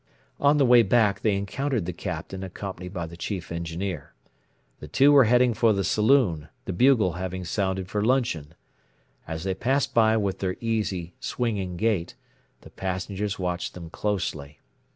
On the way back they encountered the Captain accompanied by the Chief Engineer. The two were heading for the saloon, the bugle having sounded for luncheon. As they passed by with their easy, swinging gait, the passengers watched them closely.